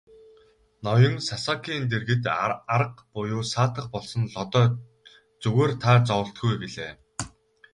Ноён Сасакийн дэргэд арга буюу саатах болсон Лодой "Зүгээр та зоволтгүй" гэлээ.